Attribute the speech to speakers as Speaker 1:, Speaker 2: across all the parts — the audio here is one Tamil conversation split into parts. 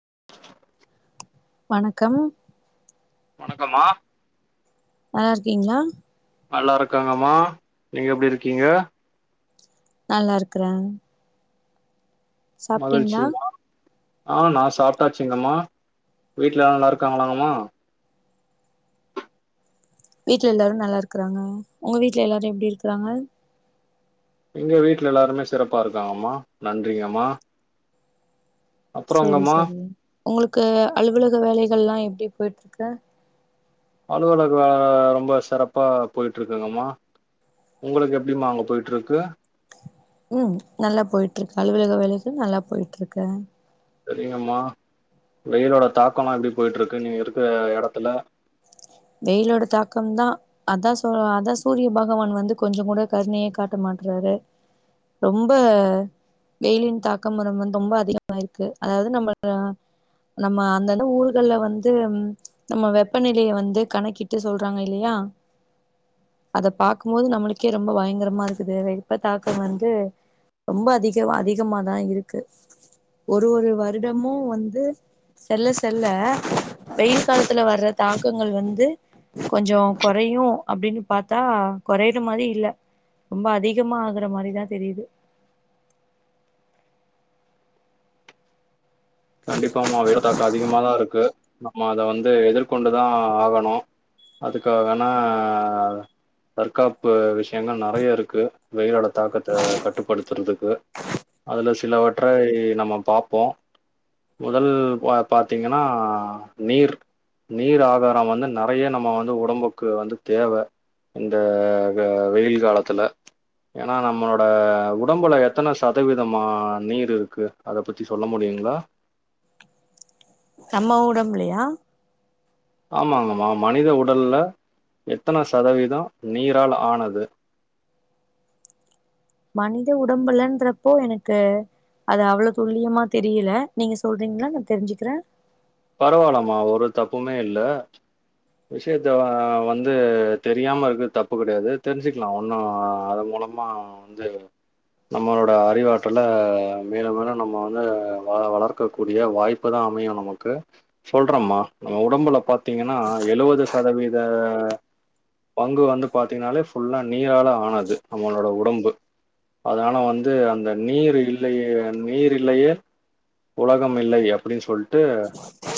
Speaker 1: [inaudible]
Speaker 2: வணக்கம்
Speaker 1: வணக்கம்மா
Speaker 2: நல்லாயிருக்கீங்களா
Speaker 1: நல்லா இருக்காங்கம்மா நீங்க எப்டியிருக்கீங்க
Speaker 2: நல்லா இருக்குறே சாப்டீங்ளா
Speaker 1: மகிழ்ச்சிமா ஆ நா சாப்ட்டாச்சுங்கம்மா வீட்ல எல்லா நல்லா இருக்காங்களாம்மா
Speaker 2: வீட்ல எல்லாரு நல்லா இருக்குறாங்க உங்க வீட்ல எல்லாரி எப்டி இருக்குறாங்க
Speaker 1: எங்க வீட்ல எல்லாருமே சிறப்பா இருக்காங்கம்மா நன்றிங்கம்மா
Speaker 2: செரி
Speaker 1: அப்புறங்கம்மா
Speaker 2: செரி உங்களுக்கு அலுவலக வேலைகள்லா எப்டி போயிட்ருக்கு
Speaker 1: அலுவலக ரொம்ப சிறப்பா போயிட்ருக்குங்கம்மா உங்களுக்கு எப்டிமா அங்க போயிட்ருக்கு
Speaker 2: உம் நல்லா போயிட்ருக்கு அலுவலக வேலைகள் நல்லா போயிட்ருக்கு
Speaker 1: செரிங்கம்மா வெயிலோட தாக்கோம்லா எப்டி போயிட்ருக்கு நீங்க இருக்குற எடத்துல
Speaker 2: வெயிலோட தாக்கம்தா அதா அதா சூரிய பகவான் வந்து கொஞ்சோ கூட கருணையே காட்ட மாட்டுறாரு ரொம்ப வெயிலின் தாக்கம் வந்து ரொம்ப அதிகமாயிருக்கு அதாவது நம்ம நம்ம அந்தந்த ஊர்கள்ல வந்து நம்ம வெப்பநிலைய வந்து கணக்கிட்டு சொல்றாங்க இல்லையா அத பாக்கும்போது நம்மளுக்கே ரொம்ப பயங்கரமா இருக்குது வெப்ப தாக்கோ வந்து ரொம்ப அதிக அதிகமாதா இருக்கு ஒரு ஒரு வருடமு வந்து செல்ல செல்ல வெயில் காலத்துல வர தாக்கங்கள் வந் து கொஞ்சோ கொறையு அப்டின்னு பாத்தா கொறையிற மாரி இல்ல ரொம்ப அதிகமா ஆகுற மாரிதா தெரியுது
Speaker 1: கண்டிப்பாம்மா [unintelligible] க்கு அதிகமாதா இருக்கு நம்ம அத வந்து எதிர்கொண்டுதா ஆகணு அதுக்கான தற்காப்பு விஷியங்க நெறைய இருக்கு வெயில் காலத் தாக்கத்த கட்டுப்படுத் பாக்குதுக்கு அதுல சிலவற்றை நம்ம பார்ப்போ முதல் பாத்தீங்கன்னா நீர் நீர் ஆகாரோ வந்து நெறைய நம்ம வந்து உடம்புக்கு வந்து தேவ இந்த வெயில் காலத்துல ஏன்னா நம்மளோட உடம்புல எத்தன சதவீதமா நீர்யிருக்கு அத பத்தி சொல்ல முடியுங்களா
Speaker 2: நம்ம உடம்புலையா
Speaker 1: ஆமாங்கம்மா மனித உடல்ல எத்தன சதவீதோ நீரால் ஆனது
Speaker 2: மனித உடம்புலன்றப்போ எனக்கு அது அவ்ளோ துல்லியமா தெரியல நீங்க சொல்றீங்களா நா தெரிஞ்சுக்குறே
Speaker 1: பரவால்லம்மா ஒரு தப்புமே இல்ல விஷியத்த வந்து தெரியாம இருக்குறது தப்பு கெடையாது தெரிஞ்சுக்கலா ஒண்ணு அதன் மூலமா வந்து நம்மளோட அறிவாற்றல மேலும் மேலும் நம்ம வந்து வ வளர்க்கக் கூடிய வாய்ப்புதா அமையு நமக்கு சொல்றேம்மா நம்ம உடம்புல பார்த்தீங்கன்னா எழுவது சதவீத பங்கு வந்து பாத்தீங்கன்னாலே ஃபுல்லா நீரால ஆனது நம்மளோட உடம்பு அதனால வந்து அந்த நீர் இல்லையே நீர் இல்லையே உலகமில்லை அப்டின்னு சொல்லிட்டு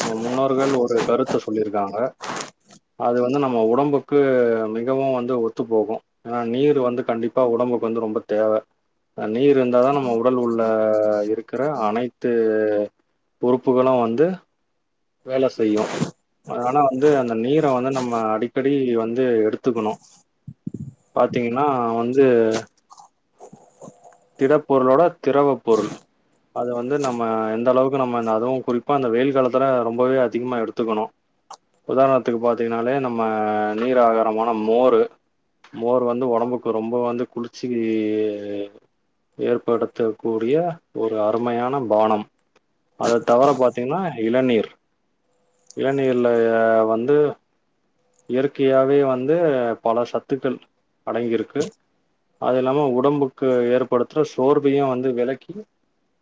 Speaker 1: நம்ம முன்னோர்கள் ஒரு கருத்து சொல்லியிருக்காங்க அது வந்து நம்ம உடம்புக்கு மிகவோ வந்து ஒத்துப்போகோ ஏன்னா நீர் வந்து கண்டிப்பா உடம்புக்கு வந்து ரொம்ப தேவ நீர் இருந்தாதா நம்ம உடல்லுள்ள இருக்குற அனைத்து உறுப்புகளோ வந்து வேல செய்யும் ஆனா வந்து அந்த நீர வந்து நம்ம அடிக்கடி வந்து எடுத்துக்கணும் பாத்தீங்கன்னா வந்து திடப்பொருளோட திரவ பொருள் அத வந்து நம்ம எந்த அளவுக்கு நம்ம அதுவும் குறிப்பா அந்த வெயில் காலத்துல ரொம்பவே அதிகமா எடுத்துக்கணும் உதாரணத்துக்கு பாரத்தீங்கன்னாலே நம்ம நீர் ஆகாரமான மோரு மோர் வந்து ஒடம்புக்கு ரொம்ப குளிர்சி ஏற்படுத்தக்கூடிய ஒரு அருமையான பானம் அத தவிர பாத்தீங்கனா இளநீர் இளநீர்லாய வந்து இயற்கையாவே வந்து பல சத்துக்கள் அடங்கியிருக்கு அதுல்லாம உடம்புக்கு ஏற்படுதுற சோர்வையும் வந்து விலக்கி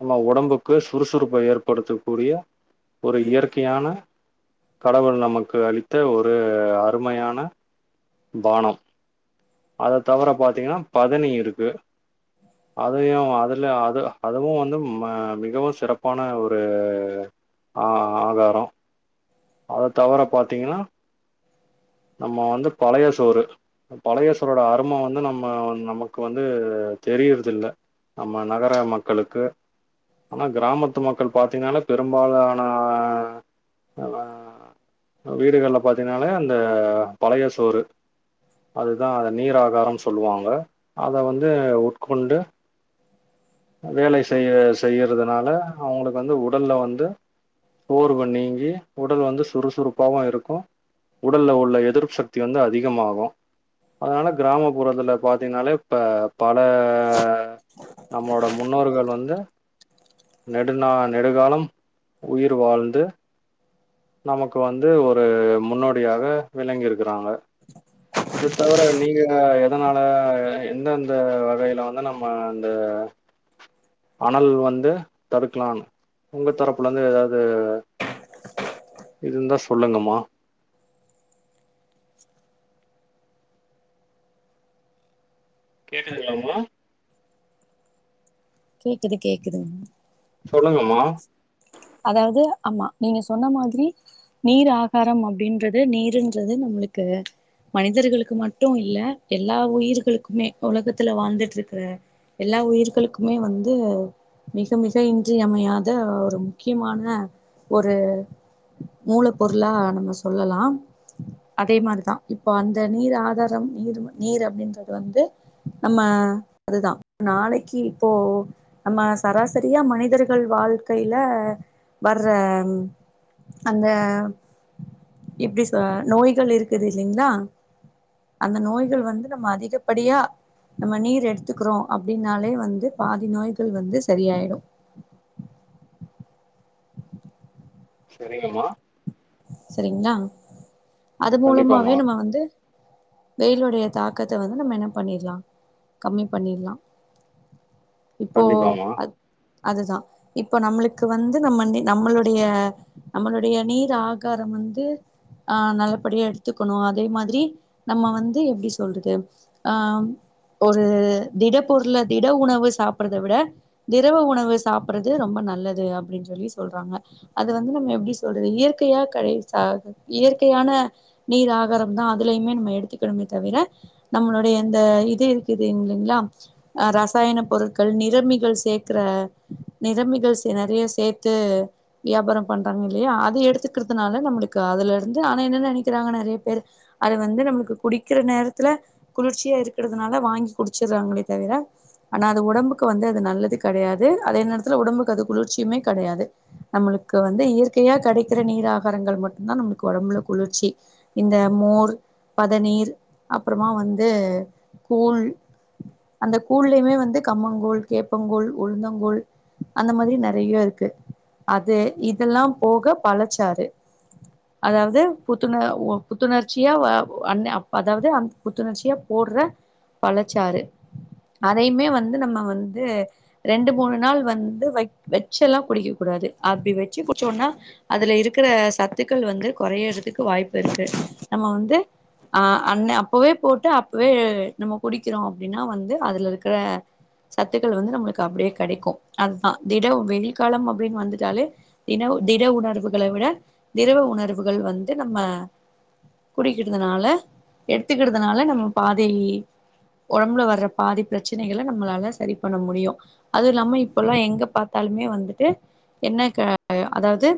Speaker 1: நம்ம உடம்புக்கு சுறுசுறுப்ப ஏற்படுத்தக்கூடிய ஒரு இயற்கையான கடவுள் நமக்கு அளித்த ஒரு ஒரு அருமையான பானம் அதை தவிர பாத்தீங்கனா பதனி இருக்கு அதையும் அதுல அது அதுவும் வந்து ம மிகவும் சிறப்பான ஒரு ஆ ஆகாரம் அத தவற பாத்தீங்கனா நம்ம வந்து பழைய சோறு பழைய சோரோட அரும வந்து நம்ம நமக்கு வந்து தெரியரிதில்ல நம்ம நகர மக்களுக்கு ஆனா கிராமத்து மக்கள் பாாரத்தீங்கன்னாலே பெரும்பாலான லான வீடுகள பாத்தீங்கன்ன அ பழைய சோறு அதுதான் நீர்காரம் சொல்லுவாங்க அதை வந்து உட்கொண்டு வேலை செய்ய செய்யுறதுனால அவங்களுக்கு வந்து உடல்ல வந்து சோர்வு நீங்கி உடல் வந்து சுறுசுறுப்பாகவும் இருக்கும் உடலில் உள்ள எதிர்ப்பு சக்தி வந்து அதிகமாகும் அதனால கிராமப்புறத்தில் பார்த்தீங்கனாலே இப்போ பல நம்மோட முன்னோர்கள் வந்து நெடுநா நெடுகாலம் உயிர் வாழ்ந்து நமக்கு வந்து ஒரு முன்னோ டியாக விளங்கியிருக்குறாங்க இத தவிர நீங்க எதனால எந்தெந்த வகையில வந்து நம்ம இந்த அனல் வந்து தடுக்கலாம்னு உங்க தரப்புல இருந்து ஏதாவது இருந்தா சொல்லுங்கமா
Speaker 2: உம்
Speaker 1: கேட்குதுங்கலாமா
Speaker 2: கேக்குது கேக்குதுங்
Speaker 1: சொல்லுங்கமா
Speaker 2: அதாவது ஆமா நீங்க சொன்ன மாதிரி நீர் ஆகாரம் அப்டின்றது நீருன்றது நம்மளுக்கு மனிதர்களுக்கு மட்டும் இல்ல எல்லா உயிர்களுக்குமே உலகத்துல வாழ்ந்துட்டு இருக்கிற எல்லா உயிர்களுக்குமே வந்து மிக மிக இன்றியமையாத ஒரு முக்கியமான ஒரு மூல பொரூளா நம்ம சொல்லலாம் அதே மாதிரிதான் இப்போ அந்த நீர் ஆதாரம் நீர் நீர் அப்டின்றது வந்து நம்ம அதுதான் நாளைக்கு இப்போ நம்ம சராசரியா மனிதர்கள் வாழ்க்கையில வர்ற அந்த இப்டி ச நோய்கள் இருக்குது இல்லிங்ளா அந்த நோய்கள் வந்து நம்ம அதிகப்படியா நம்ம நீர் எடுத்துக்கிறோம் அப்டின்னாலே வந்து பாதி நோய்கள் வந்து சரியாயிடும்
Speaker 1: சரிங்கமா
Speaker 2: சரிங்ளா அது மூலமாவே
Speaker 1: கண்டிப்பாம்மா
Speaker 2: நம வந்து வெயிலுடைய தாக்கத்த வந்து நம்ம என்ன பண்ணிடலாம் கம்மி பண்ணிடலாம் இப்போ
Speaker 1: கண்டிப்பாம்மா
Speaker 2: அத் அதுதான் இப்ப நம்ளுக்கு வந்து நம்ம நம்மளுடைய நம்மளுடைய நீர் ஆக் காரம் வந்து ஆஹ் நல்லபடியா எடுத்துக்கணும் அதே மாதிரி நம்ம வந்து எப்படி சொல்றது ஆஹ் ஒரு திட பொருள திட உணவு சாப்றத விட திரவ உணவு சாப்படுறது ரொம்ப நல்லது அப்டின்னு சொல்லி சொல்றாங்க அது வந்து நம்ம எப்படி சொல்றது இயற் இயற்கையா [unintelligible] இயற்கையான நீர் ஆகாரம் தான் அதுலையுமே நம்ம எடுத்துக்கணுமே தவிர நம்மளுடைய இந்த இது இருக்குது இல்லிங்லா ரசாயன பொருட்கள் நிரம்பிகள் சேர்க்கற நிரம்பிகள் நிறைய சேர்த்து வியாபாரம் பண்றாங்க இல்லையா அது எடுத்து க்கறது நால நம்ளுக்கு அதுல இருந்து ஆனா என்ன நினைக்கிறாங்க நிறைய பேரு அது வந்து நம்மளுக்கு குடிக்கிற நேரத்துல குளிர்ச்சியா இருக்குறதுனால வாங்கி குடிச்சிறாங்களே தவிர ஆனா அது உடம்புக்கு வந்து அது நல்லது கிடையாது அதே நேரத்துல உடம்புக்கு அது குளிர்ச்சியுமே கிடையாது நம்மளுக்கு வந்து இயற்கையா கடை [unintelligible] நீர் ஆகாரங்கள் மட்டும்தான் நம்ளுக்கு ஒடம்புல குளிர்ச்சி இந்த மோர் பதநீர் அப்புறமா வந்து கூழ் அந்த கூழ்லயுமே வந்து கம்மங்கூழ் கேப்பங்கூழ் உளுந்தங்கூழ் அந்த மாதிரி நறைய இருக்கு அது இதல்லாம் போக பழச்சாறு அதாவது புத்துண புத்துணர்ச்சியா அதாவது அந்த புத்துணர்ச்சியா போடுற பழச்சாறு அதையுமே வந்து நம்ம வந்து ரெண்டு மூணு நாள் வந்து வ வச்ச எல்லாம் குடிக்க கூடாது அப்டி வச்சு குடிச்சோனா அதுல இருக்கிற சத்துக்கள் வந்து குறையறதுக்கு வாய்ப்பு இருக்கு நம்ம வந்து அஹ் அண்ண அப்பவே போட்டு அப்பவே நம்ம குடிக்கிறோம் அப்டின்னா வந்து அதுல இருக்கிற சத்துக்கள் வந்து நம்மளுக்கு அப்படியே கடைக்கும் அதுதான் திட வெயில் காலம் அப்டின்னு வந்துட்டாலே திட திட உணர்வு [unintelligible] விட திரவ உணர்வுகள் வந்து நம்ம குடிக்கிறதுனால எடுத்துக்கிறதுனால நம்ம பாதி உடம்புல வர பாதி பிரச்சனைகளை நம்மளால சரி பண்ண முடியும் அதுவும் இல்லாம இப்பல்லாம் எங்க பாத்தாலுமே வந்துட்டு என்ன [unintelligible] அதாவது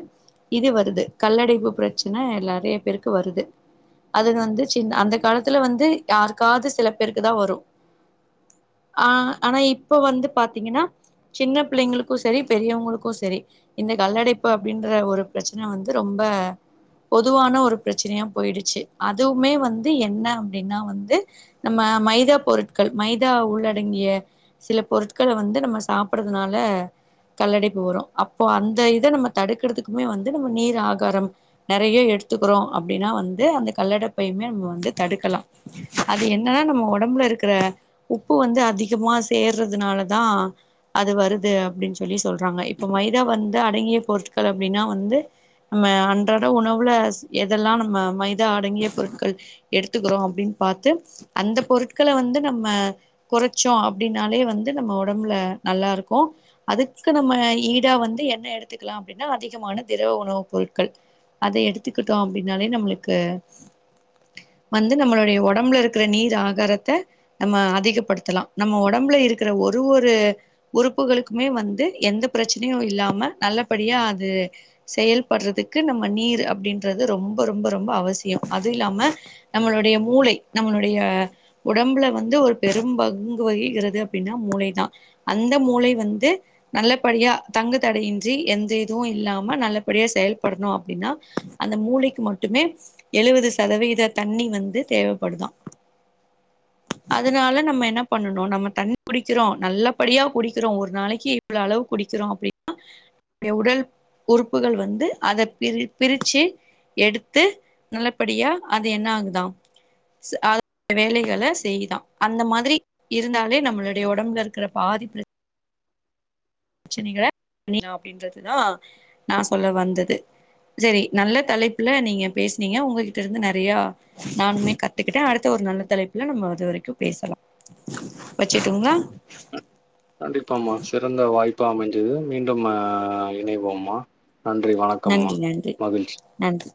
Speaker 2: இது வருது கல்லடைப்பு பிரச்சனை நிறைய பேருக்கு வருது அது வந்து சின்ன அந்த காலத்துல வந்து யாருக்காவது சில பேருக்கு தான் வரும் ஆஹ் ஆனா இப்ப வந்து பாத்தீங்கன்னா சின்ன பிள்ளைங்களுக்கும் சரி பெரியவங்களுக்கும் சரி இந்த கல்லடைப்பு அப்படியின்ற ஒரு பிரச்சனை வந்து ரொம்ப பொதுவான ஒரு பிரச்சனையா போயிடுச்சு அதுமே வந்து என்ன அப்டின்னா வந்து நம்ம மைதா பொருட்கள் மைதா உள்ளடங்கிய சில பொருட்கால வந்து நம்ம சாப்டுறதுனால கல்லடைப்பு வரும் அப்போ அந்த இது நம்ம தடுக்குறத்துக்குமே வந்து நம்ம நீர் ஆகாரம் நறைய எடுத்துக்கிறோம் அப்படின்னா வந்து அந்த கல்லடப்பையுமே நம்ம வந்து தடுக்கலாம் அது என்னன்னா நம்ம உடம்புல இருக்கிற உப்பு வந்து அதிகமா சேர்றதுனாலதான் அது வருது அப்படின்னு சொல்லி சொல்றாங்க இப்ப மைதா வந்து அடங்கிய பொருட்கள் அப்டின்னா வந்து நம்ம அன்றாட உணவுல எதெல்லாம் நம்ம மைதா அடங்கிய பொருட்கள் எடுத்துக்கிறோம் அப்டின்னு பாத்து அந்த பொருட்கள வந்து நம்ம குறச்சோம் அப்படின்னாலே வந்து நம்ம உடம்புல நல்லா இருக்கும் அதுக்கு நம்ம ஈடா வந்து என்ன எடுத்துக்கலாம் அப்டின்னா அதிகமான திரவ உணவு பொருட்கள் அத எடுத்துக்கிட்டோம் அப்படின்னாலே நம்மளுக்கு வந்து நம்மளுடைய உடம்புல இருக்கிற நீர் ஆகாரத்தை நம்ம அதிகப்படுத்தலாம் நம்ம உடம்புல இருக்கிற ஒரு ஒரு உறுப்புகளுக்குமே வந்து எந்த பிரச்சனையும் இல்லாம நல்லபடியா அது செயல்படுறதுக்கு நம்ம நீர் அப்டின்றது ரொம்ப ரொம்ப ரொம்ப அவசியம் அது இல்லாம நம்மளுடைய மூளை நம்மளுடைய உடம்புல வந்து ஒரு பெரும் பங்கு வகிகிறது அப்டின்னா மூளைதான் அந்த மூளை வந்து நல்லபடியா தங்கு தடையின்றி எந்த இதுவும் இல்லாம நல்ல டியா செயல்படணும் அப்டின்னா அந்த மூளைக்கு மட்டுமே எழுவது சதவீத தண்ணி வந்து தேவைப்படுதான் அதனால நம்ம என்ன பண்ணணும் நம்ம தண்ணி குடிக்கிறோம் நல்லபடியா குடிக்கிறோம் ஒரு நாளைக்கு இவ்வளவு அளவு தண்ணீ குடிக்கிறோம் அப்படின்னா உடல் உருப் உறுப்புகள் வந்து அத பிரி பிரிச்சி எடுத்து நல்லபடியா அது என்ன ஆகுதான் அ வேலைகள செய்யுதான் அந்த மாதிரி இருந்தாலே நம்மளுடைய உடம்புல இருக்கிற பாதி ப்றச் பிரச்சனைகள அப்டின்றதுதான் நான் சொல்ல வந்தது சரி நல்ல தலைப்புல நீங்க பேசனீங்க உங்ககிட்ட இருந்து நறைய நானுமே கத்துக்கிட்டேன் அடுத்த ஒரு நல்ல தலைப்புல நம்ம அது வரைக்கும் பேசலாம் வச்சுருட்டுங்களா
Speaker 1: கண்டிப்பாமா சிறந்த வாய்ப் ப்ப அமஞ்சது மீண்டும் இணைவோமா
Speaker 2: நன்றி நன்றி நன்றி